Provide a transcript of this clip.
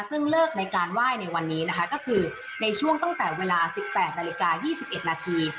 ซึ่งเลิกในการไหว้ในวันนี้นะคะก็คือในช่วงตั้งแต่เวลา๑๘นาฬิกา๒๑นาที